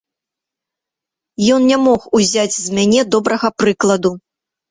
Ён не мог узяць з мяне добрага прыкладу.